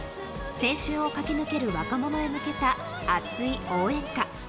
青春を駆け抜ける若者へ向けた熱い応援歌。